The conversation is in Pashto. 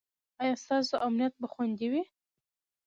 ایا ستاسو امنیت به خوندي وي؟